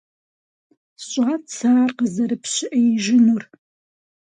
СщӀат сэ ар къызэрыпщыӀеижынур.